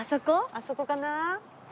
あそこかな？